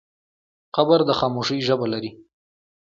قبر د خاموشۍ ژبه لري.